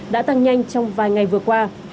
đã tăng nhanh trong vài ngày vừa qua